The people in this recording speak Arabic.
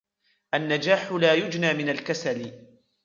النجاح لا يُجنى من الكسل.